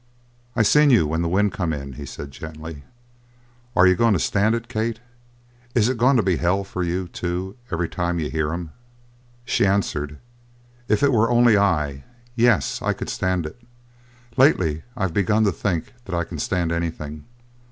"I seen you when the wind come in," he said gently. "Are you going to stand it, Kate? Is it going to be hell for you, too, every time you hear 'em?" She answered: "If it were only I! Yes, I could stand it. Lately I've begun to think that I can stand anything.